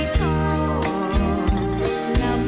เสียงรัก